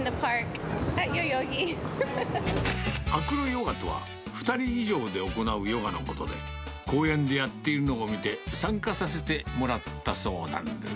アクロヨガとは、２人以上で行うヨガのことで、公園でやっているのを見て、参加させてもらったそうなんです。